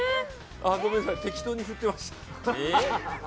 ごめんなさい、適当に振ってました。